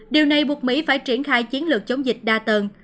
điều này buộc mỹ phải triển khai chiến lược chống dịch đa tầng